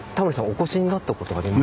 お越しになったことあります？